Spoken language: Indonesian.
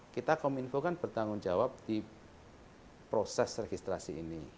kita kominfo kan bertanggung jawab di proses registrasi ini